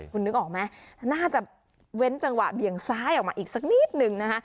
คุณนึกออกไหมน่าจะเว้นจังหวะเบี่ยงซ้ายออกมาอีกสักนิดนึงนะคะ